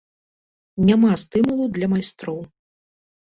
Няма стымулу для майстроў.